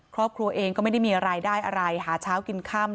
ครอบครัวเองก็ไม่ได้มีรายได้อะไรหาเช้ากินค่ำ